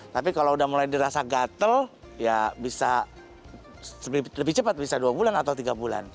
tapi kalau udah mulai dirasa gatel ya bisa lebih cepat bisa dua bulan atau tiga bulan